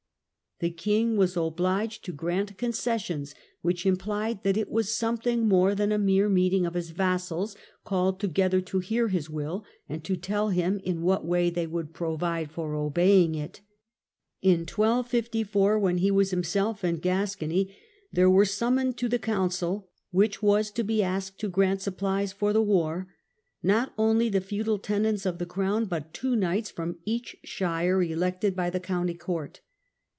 The king was ob ^hc bcrfn liged to grant concessions, which implied that ninn of it was something more than a mere meeting ^*^ i*««nt of his vassals, called together to hear his will, and to tell him in what way they would provide for obeying it. In 1254, when he was himself in Gascony, there were summoned to the council, which was to be asked to grant supplies for the war, not only the feudal tenants of the crown but two knights from each shire elected by the county court.